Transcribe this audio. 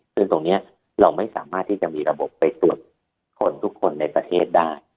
ซึ่งตรงนี้เราไม่สามารถที่จะมีระบบไปตรวจคนทุกคนในประเทศได้